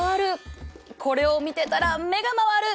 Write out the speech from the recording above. これを見てたら目が回る！